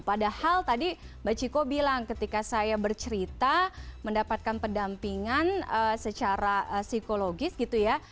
padahal tadi mbak ciko bilang ketika saya bercerita mendapatkan pendampingan secara psikologis gitu ya